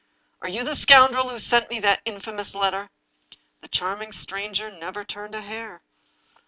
"Are you the scoundrel who sent me that infamous letter?" The charming stranger never turned a hair.